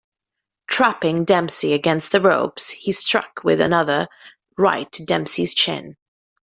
Trapping Dempsey against the ropes, he struck with another right to Dempsey's chin.